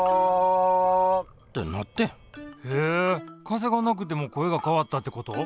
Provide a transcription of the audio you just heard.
風がなくても声が変わったってこと？